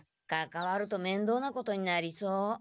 かかわるとめんどうなことになりそう。